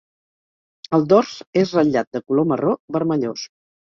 El dors és ratllat de color marró vermellós.